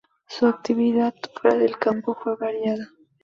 Su actividad fuera del campo fue variada.